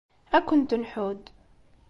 Ad kent-nḥudd.